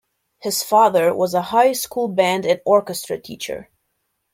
His father was a high school band and orchestra teacher.